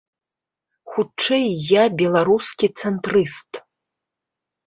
Хутчэй я беларускі цэнтрыст.